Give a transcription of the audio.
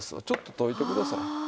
ちょっと溶いてください。